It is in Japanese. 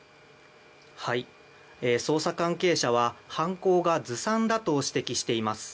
捜査関係者は犯行がずさんだと指摘しています。